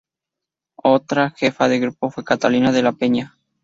Otra jefa de grupo fue Catalina de la Peña.